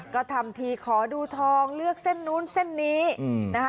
ก็ทำทีขอดูทองเลือกเส้นนู้นเส้นนี้นะคะ